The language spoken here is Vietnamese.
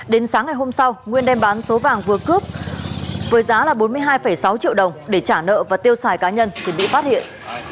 đến sáng ngày hôm sau nguyên đem bán số vàng vừa cướp với giá là bốn mươi hai sáu triệu đồng để trả nợ và tiêu xài cá nhân thì bị phát hiện